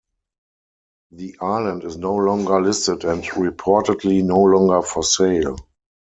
The Island is no longer listed and reportedly no longer for sale.